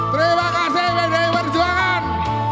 terima kasih bdm perjuangan